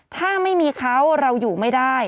ถ้าไม่มีเขาเราอยู่ไม่ได้